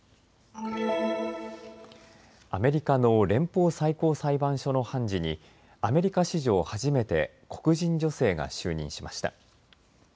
アメリカの連邦最高裁判所の判事にアメリカ史上初めて黒人女性が就任しました。